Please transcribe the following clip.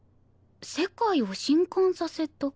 「世界を震撼させた」。